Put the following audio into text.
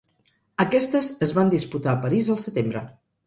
Aquestes es van disputar a París al setembre.